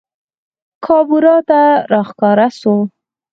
کابورا ته راښکاره سوو